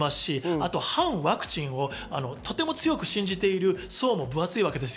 あと反ワクチンをとても強く信じている層も分厚いわけです。